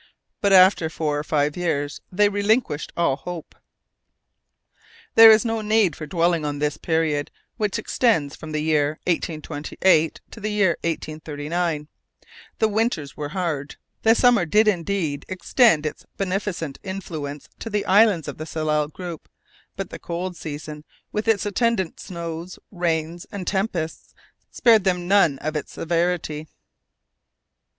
But after four or five years they relinquished all hope. There is no need for dwelling on this period, which extends from the year 1828 to the year 1839. The winters were hard. The summer did indeed extend its beneficent influence to the islands of the Tsalal group, but the cold season, with its attendant snows, rains, and tempests, spared them none of its severity.